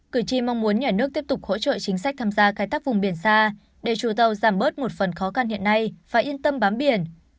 cử tri mong muốn nhà nước tiếp tục hỗ trợ chính sách tham gia khai thác vùng biển xa để chủ tàu giảm bớt một phần khó khăn hiện nay và yên tâm bám biển